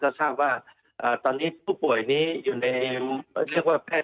ก็ทราบว่าตอนนี้ผู้ป่วยนี้อยู่ในเรียกว่าแพทย์